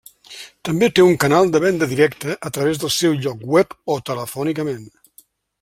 També té un canal de venda directa a través del seu lloc web o telefònicament.